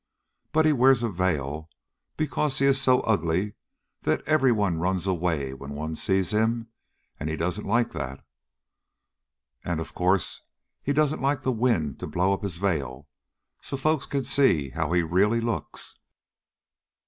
But he wears a veil because he is so ugly that every one runs away when one sees him, and he doesn't like that. And, of course, he doesn't like the wind to blow up his veil so folks can see how he really looks."